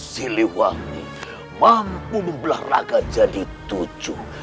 siliwangi mampu membelah raga jadi tujuh